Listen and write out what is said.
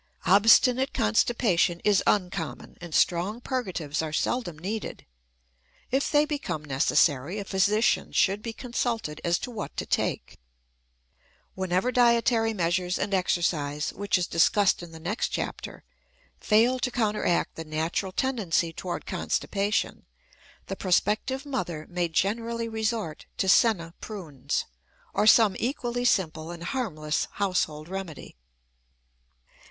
Obstinate constipation is uncommon, and strong purgatives are seldom needed. If they become necessary, a physician should be consulted as to what to take. Whenever dietary measures and exercise, which is discussed in the next chapter, fail to counteract the natural tendency toward constipation, the prospective mother may generally resort to "senna prunes" or some equally simple and harmless household remedy.